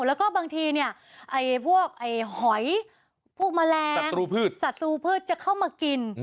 แล้วก็บางทีเนี่ยพวกหอยพวกแมลงสัตรูพืชจะเข้ามากิน